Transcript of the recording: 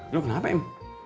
lo kenapa im